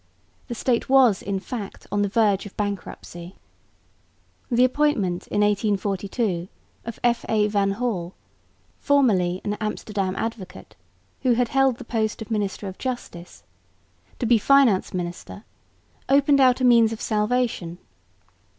The State was in fact on the verge of bankruptcy. The appointment in 1842 of F.A. van Hall (formerly an Amsterdam advocate, who had held the post of minister of justice) to be finance minister opened out a means of salvation.